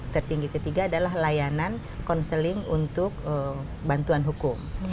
tertinggi ketiga adalah layanan konseling untuk bantuan hukum